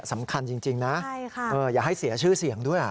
สำคัญจริงนะอย่าให้เสียชื่อเสียงด้วย